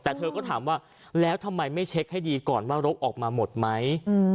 แต่เธอก็ถามว่าแล้วทำไมไม่เช็คให้ดีก่อนว่ารกออกมาหมดไหม